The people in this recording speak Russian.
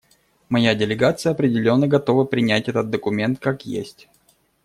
Моя делегация определенно готова принять этот документ как есть.